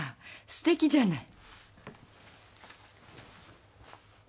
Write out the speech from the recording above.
すてきじゃない。